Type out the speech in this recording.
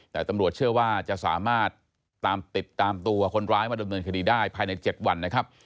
แต่ตำรวจเชื่อว่าจะสามารถตามติดตามตัวคนร้ายมาดำเนินคดีได้ภายใน๗วันนะครับ